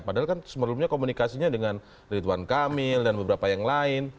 padahal kan sebelumnya komunikasinya dengan ridwan kamil dan beberapa yang lain